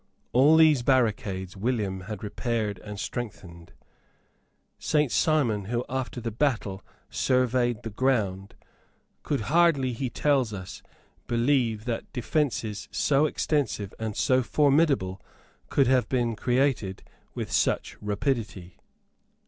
All these barricades William had repaired and strengthened. Saint Simon, who, after the battle, surveyed the ground, could hardly, he tells us, believe that defences so extensive and so formidable could have been created with such rapidity.